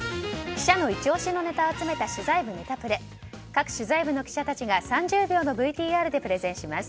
各取材部の記者たちが３０秒のＶＴＲでプレゼンします。